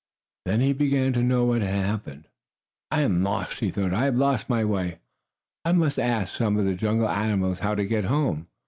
Then he began to know what had happened. "I am lost!" he thought. "I have lost my way. I must ask some of the jungle animals how to get home."